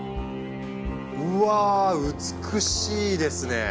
うわ美しいですね。